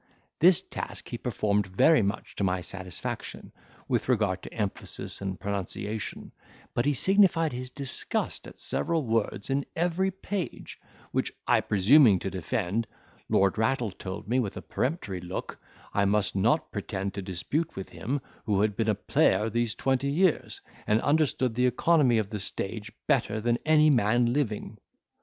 This task he performed very much to my satisfaction, with regard to emphasis and pronunciation; but he signified his disgust at several words in every page, which I presuming to defend, Lord Rattle told me, with a peremptory look, I must not pretend to dispute with him, who had been a player these twenty years, and understood the economy of the stage better than any man living.